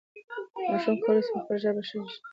ماشوم کولی سي په خپله ژبه ښه فکر وکړي.